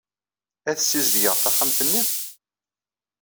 Ad ssizedgeɣ taxxamt-nni?